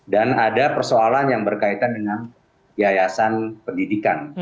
dan ada persoalan yang berkaitan dengan piayasan pendidikan